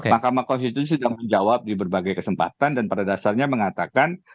mahkamah konstitusi sudah menjawab di berbagai kesempatan dan pada dasarnya mengatakan